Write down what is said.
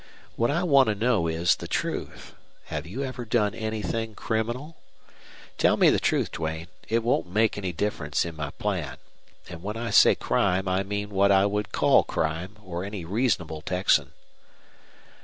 What I want to know is the truth. Have you ever done anything criminal? Tell me the truth, Duane. It won't make any difference in my plan. And when I say crime I mean what I would call crime, or any reasonable Texan."